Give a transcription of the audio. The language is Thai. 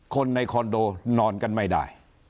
คนในคอนโดนกันไม่ได้